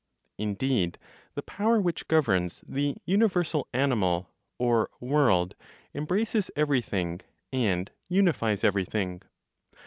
Indeed, the power which governs the universal Animal (or world) embraces everything, and unifies everything.